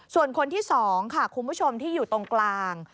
ส่วนคนที่๒ค่ะคุณผู้ชมที่อยู่ตรงกลาง